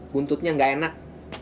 buntutnya gak enak